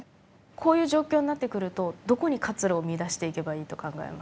こういう状況になってくるとどこに活路を見いだしていけばいいと考えますか？